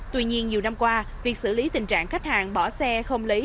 tuy nhiên nhiều năm qua việc xử lý tình trạng khách hàng bỏ xe không lấy